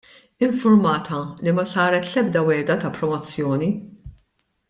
Infurmata li ma saret l-ebda wiegħda ta' promozzjoni.